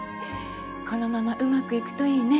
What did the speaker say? このままうまくいくといいね。